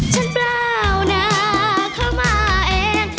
ฉันเปล่านะเข้ามาเอง